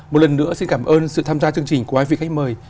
một lần nữa xin cảm ơn sự tham gia chương trình của hai vị khách mời